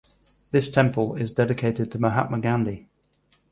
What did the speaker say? This temple is dedicated to Mahatma Gandhi.